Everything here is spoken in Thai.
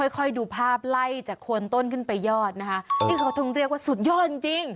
ค่อยดูภาพไล่จากโคนต้นขึ้นไปยอดนะคะที่เขาถึงเรียกว่าสุดยอดจริงจริง